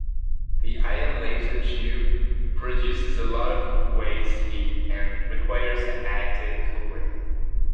The ion laser tube produces a lot of waste heat and requires active cooling.